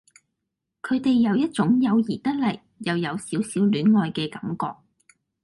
佢哋有一種友誼得嚟又有少少戀愛嘅感覺